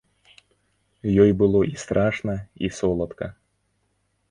Ёй было і страшна, і соладка.